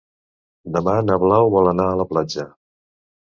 Demà na Blau vol anar a la platja.